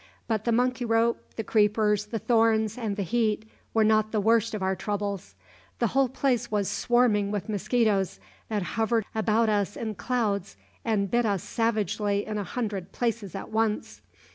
But the monkey rope, the creepers, the thorns, and the heat were not the worst of our troubles; the whole place was swarming with mosquitoes that hovered about us in clouds and bit us savagely in a hundred places at once.